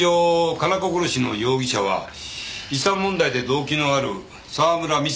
加奈子殺しの容疑者は遺産問題で動機のある沢村美沙・美雪